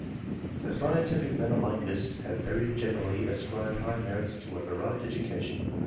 The scientific men on my list have very generally ascribed high merits to a varied edu cation.